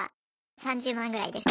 ３０万ぐらいです。